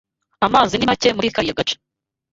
Amazi ni make muri kariya gace.